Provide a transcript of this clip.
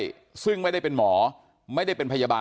อันนี้มันต้องมีเครื่องชีพในกรณีที่มันเกิดเหตุวิกฤตจริงเนี่ย